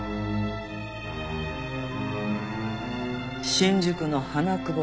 新宿の花久保